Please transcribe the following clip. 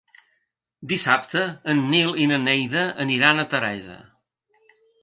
Dissabte en Nil i na Neida aniran a Teresa.